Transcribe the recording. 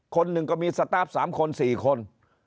คนหนึ่งก็มีสตาร์ฟ๓คน๔คน